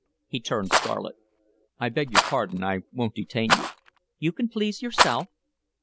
He turned scarlet. "I beg your pardon. I won't detain you." "You can please yourself."